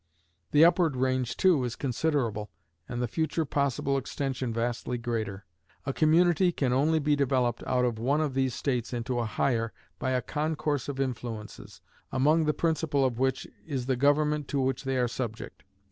The upward range, too, is considerable, and the future possible extension vastly greater. A community can only be developed out of one of these states into a higher by a concourse of influences, among the principal of which is the government to which they are subject.